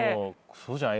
そうじゃない。